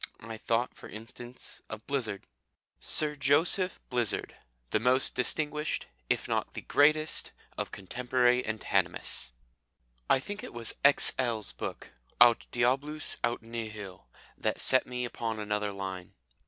I thought, for instance, of Blizzard SIR JOSEPH BLIZZARD, The most distinguished, if not the greatest, of contemporary anatomists. I think it was "X.L.'s" book, Aut Diabolus aut Nihil, that set me upon another line.